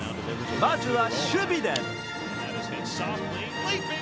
まずは守備で！